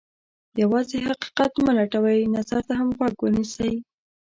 یوازې حقیقت مه لټوئ، نظر ته هم غوږ ونیسئ.